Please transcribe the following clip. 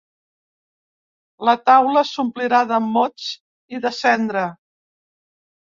La taula s'omplirà de mots i de cendra.